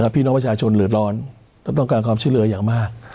พี่น้องประชาชนเดือดร้อนต้องการความช่วยเหลืออย่างมาก